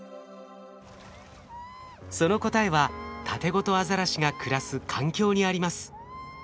その答えはタテゴトアザラシが暮らす環境にあります。